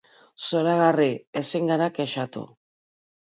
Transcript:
Zoragarri, ezin gara kexatu.